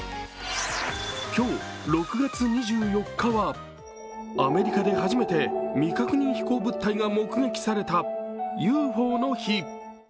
今日、６月２４日はアメリカで初めて未確認飛行物体が目撃されたＵＦＯの日。